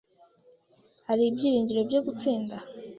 Hari ibyiringiro byo gutsinda?